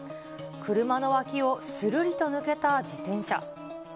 車の脇をするりと抜けた自転車。